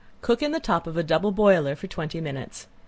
Cook in the top of a double boiler for twenty minutes.